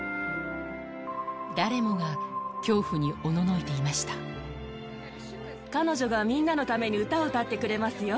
誰もが恐怖におののいていま彼女がみんなのために歌を歌ってくれますよ。